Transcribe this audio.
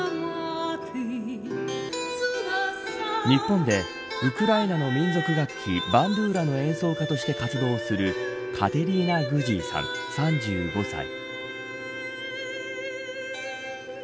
日本でウクライナの民族楽器バンドゥーラの演奏家として活動するカテリーナ・グジーさん３５歳。